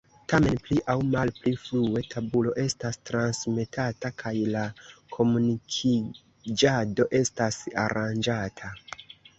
Tamen pli aŭ malpli frue tabulo estas transmetata kaj la komunikiĝado estas aranĝata.